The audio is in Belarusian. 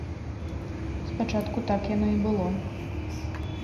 Спачатку так яно і было.